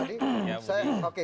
terima kasih bang adi